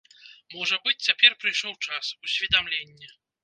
Можа быць, цяпер прыйшоў час, усведамленне.